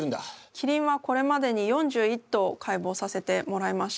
キリンはこれまでに４１頭解剖させてもらいました。